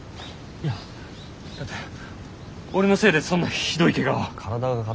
いやだって俺のせいでそんなひどいケガを。